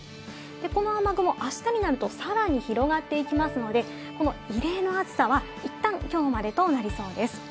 この雨雲、あしたになるとさらに広がっていきますので、異例の暑さはいったん今日までとなりそうです。